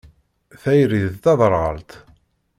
Tayri d taderɣalt.